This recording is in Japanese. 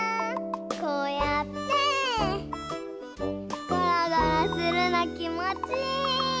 こうやってゴロゴロするのきもちいい！